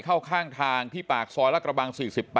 เข้าข้างทางที่ปากซอยละกระบัง๔๘